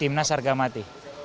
timnas harga mati